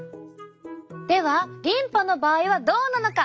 ではリンパの場合はどうなのか。